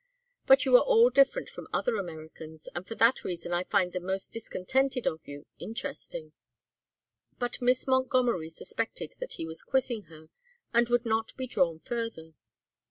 But you are all different from other Americans, and for that reason I find the most discontented of you interesting." But Miss Montgomery suspected that he was quizzing her and would not be drawn further.